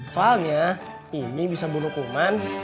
soalnya ini bisa bunuh kuman